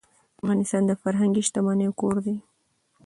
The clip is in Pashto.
افغانستان د فرهنګي شتمنیو کور دی.